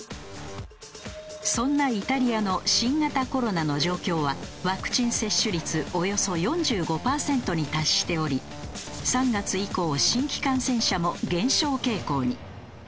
そんなイタリアの新型コロナの状況はワクチン接種率およそ４５パーセントに達しており３月以降新規感染者も減少傾向に。